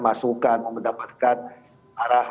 masukan mendapatkan arah